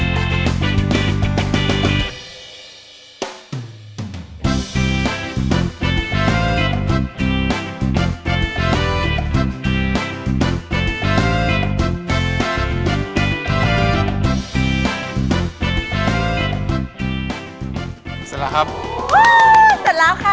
เสร็จแล้วครับเสร็จแล้วค่ะเสร็จทั้ง๓คนแล้วมาก